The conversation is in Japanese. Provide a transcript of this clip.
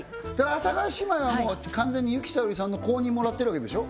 阿佐ヶ谷姉妹はもう完全に由紀さおりさんの公認もらってるわけでしょ？